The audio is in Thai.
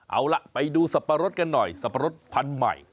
เอาล่ะไปดูสับปะรดกันหน่อยสับปะรดพันธุ์ใหม่